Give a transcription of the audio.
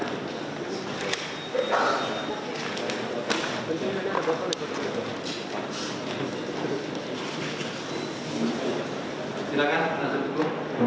ada penyelidikan barang bukti